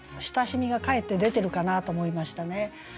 親しみがかえって出てるかなと思いましたね。